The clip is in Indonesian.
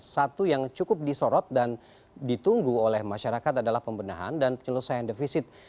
satu yang cukup disorot dan ditunggu oleh masyarakat adalah pembenahan dan penyelesaian defisit